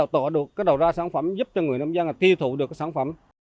tạo ra sản phẩm giúp cho người nông dân tiêu thụ được sản phẩm